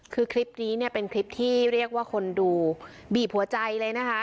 คือคลิปนี้เนี่ยเป็นคลิปที่เรียกว่าคนดูบีบหัวใจเลยนะคะ